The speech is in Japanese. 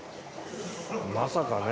まさかね。